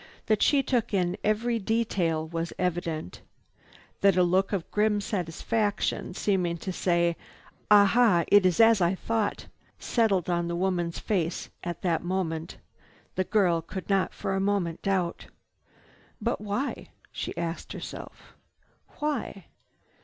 That she took in every detail was evident. That a look of grim satisfaction, seeming to say, "Ah ha! It is as I thought!" settled on the woman's face at that moment, the girl could not for a moment doubt. "But why?" she asked herself. "Why?"